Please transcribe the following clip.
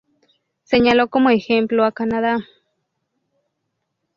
Señaló como ejemplo a Canadá.